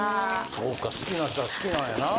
そうか好きな人は好きなんやな。